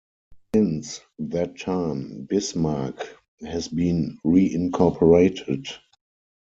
Since that time, Bismarck has been reincorporated.